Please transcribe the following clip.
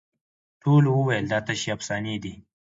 ټولو وویل دا تشي افسانې دي